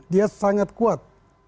dia sangat kuat